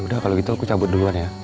udah kalau gitu aku cabut duluan ya